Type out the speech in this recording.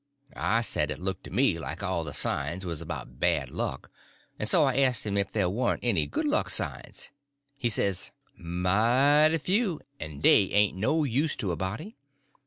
I said it looked to me like all the signs was about bad luck, and so I asked him if there warn't any good luck signs. He says: "Mighty few—an' dey ain't no use to a body.